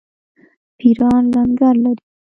پیران لنګر لري.